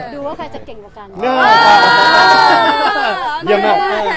ดูว่าใครจะเก่งกว่ากัน